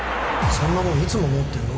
そんなもんいつも持ってんの？